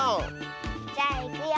じゃあいくよ。